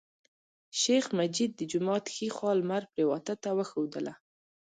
شیخ مجید د جومات ښی خوا لمر پریواته ته وښودله.